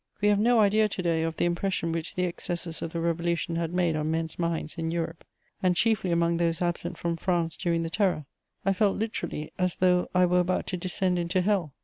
We have no idea to day of the impression which the excesses of the Revolution had made on men's minds in Europe, and chiefly among those absent from France during the Terror: I felt literally as though I were about to descend into Hell.